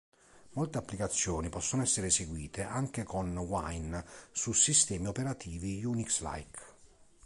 Molte applicazioni possono essere eseguite anche con Wine su sistemi operativi Unix-like.